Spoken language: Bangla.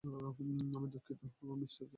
আমি দুঃখিত, মিস্টার ফ্যালকোন।